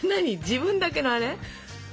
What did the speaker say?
自分だけのあれ？